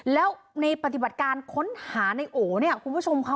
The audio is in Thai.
แล้วในปฏิบัติการค้นหาในโอเนี่ยคุณผู้ชมค่ะ